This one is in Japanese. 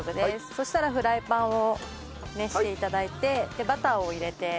そしたらフライパンを熱して頂いてバターを入れて。